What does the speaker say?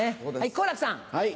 好楽さん。